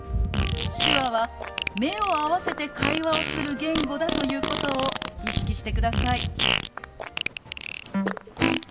手話は目を合わせて会話をする言語だということを意識してください。